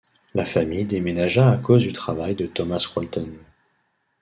La famille déménagea à cause du travail de Thomas Walton.